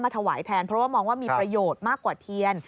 ถวายแทนเพราะว่ามองว่ามีประโยชน์มากกว่าเทียน